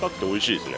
おいしい。